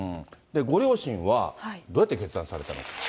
ご両親は、どうやって決断されたのか。